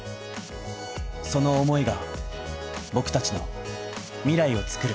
その思いが僕達の未来をつくる